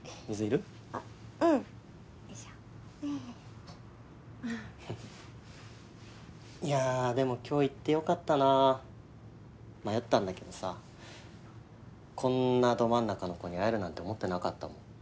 あっうんいやでも今日行ってよかったな迷ったんだけどさこんなど真ん中の子に会えるなんて思ってなかったもん